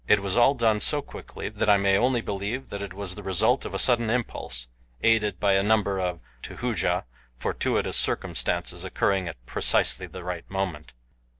It was all done so quickly that I may only believe that it was the result of sudden impulse, aided by a number of, to Hooja, fortuitous circumstances occurring at precisely the right moment.